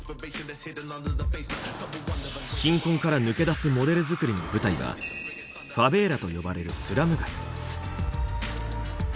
貧困から抜け出すモデル作りの舞台はファベーラと呼ばれるスラム街。